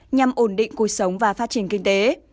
nhằm ổn định cuộc sống và phát triển kinh tế